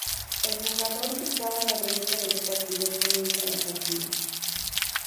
El jugador situado a la derecha del repartidor comienza la partida.